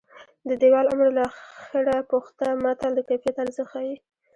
د دېوال عمر له اخېړه پوښته متل د کیفیت ارزښت ښيي